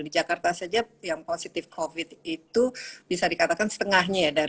di jakarta saja yang positif covid itu bisa dikatakan setengahnya itu kan ya kan